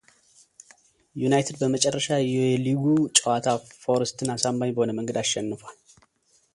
ዩናይትድ በመጨረሻ የሉጉ ጨዋታ ፎረስትን አሳማኝ በሆነ መንገድ አሸንፏል።